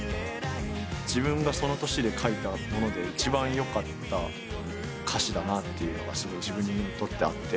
自分がその年で書いたもので一番よかった歌詞だなというのが自分にとってあって。